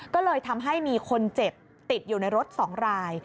ก็เลยทำให้มีคนเจ็บติดอยู่ในรถ๒ราย